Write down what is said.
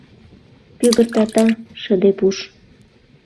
Пӱгыртата, шыде пуш...